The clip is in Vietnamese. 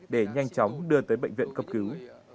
để nhanh chóng đưa tới bệnh viện cấp cứu